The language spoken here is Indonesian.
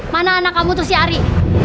mana anak kamu tuh si ari